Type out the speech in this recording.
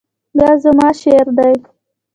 دا زما شعر دی